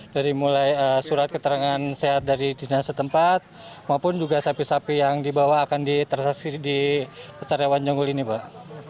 dari mulai surat keterangan sehat dari dinasetempat maupun juga sapi sapi yang dibawa akan tersesat di pasar hewan jonggol ini pak